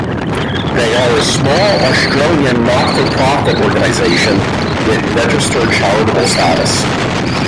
They are a small Australian not-for-profit organisation with registered charitable status.